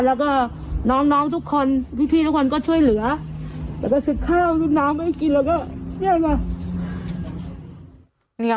แล้วก็น้องทุกคนพี่ทุกคนก็ช่วยเหลือ